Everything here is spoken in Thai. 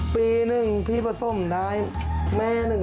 ปีหนึ่งพี่ผสมได้แม่หนึ่ง